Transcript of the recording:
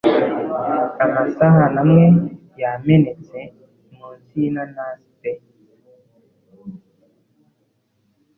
Amasahani amwe yamenetse munsi yinanasi pe